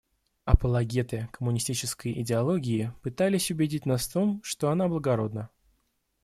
Апологеты коммунистической идеологии пытались убедить нас в том, что она благородна.